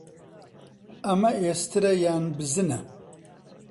ئەمە ئێسترە، یان بزنە؟